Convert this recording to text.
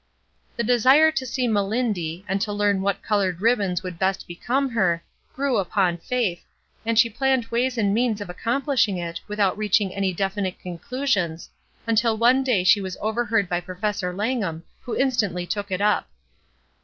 The desire to see Melindy, and to learn what colored ribbons would best become her, grew upon Faith, and she planned ways and means of accomplishing it without reaching any def inite conclusions, until one day she was over heard by Professor Langham who instantly took it up.